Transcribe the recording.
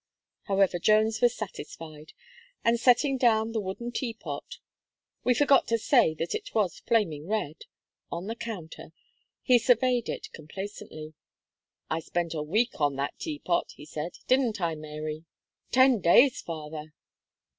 However, Jones was satisfied; and, setting down the wooden Teapot we forgot to say that it was flaming red on the counter, he surveyed it complacently. "I spent a week on that Teapot," he said "didn't I, Mary?" "Ten days, father."